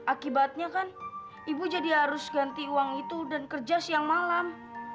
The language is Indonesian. akibatnya kan ibu jadi harus ganti uang itu dan kerja siang malam